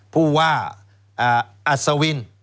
ผู้ว่าอัศวิน